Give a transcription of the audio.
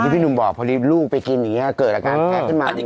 พี่หนุ่มบอกพอดีลูกไปกินเกิดละกัน